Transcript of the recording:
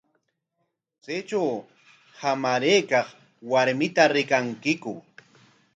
¿Chaytraw hamaraykaq warmita rikankiku?